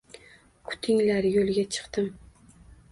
Kutinglar, yoʻlga chiqdim.